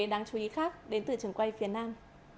đáng chú ý khác đến từ trường quay phía nam